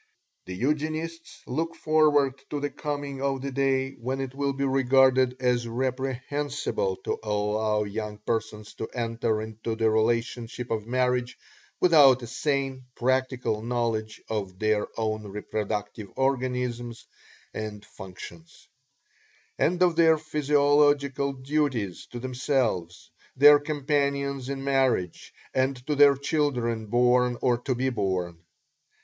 The Eugenists look forward to the coming of the day when it will be regarded as reprehensible to allow young persons to enter into the relationship of marriage without a sane, practical knowledge of their own reproductive organism and functions, and of their physiological duties to themselves, their companions in marriage, and to their children born or to be born.